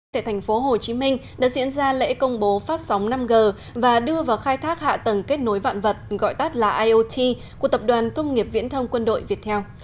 tại thành phố hồ chí minh đã diễn ra lễ công bố phát sóng năm g và đưa vào khai thác hạ tầng kết nối vạn vật gọi tắt là iot của tập đoàn công nghiệp viễn thông quân đội việt theo